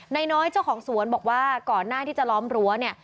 น้อยเจ้าของสวนบอกว่าก่อนหน้าที่จะล้อมรั้วเนี่ย